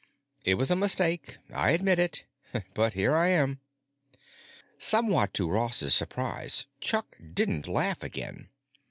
It was a mistake, I admit it. But here I am." Somewhat to Ross's surprise, Chuck didn't laugh again.